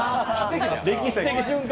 歴史的瞬間。